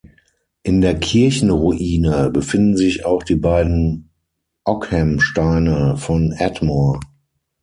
In der Kirchenruine befinden sich auch die beiden Oghamsteine von Ardmore.